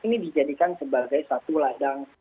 ini dijadikan sebagai satu ladang